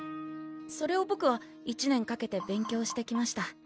それをボクは１年かけて勉強してきました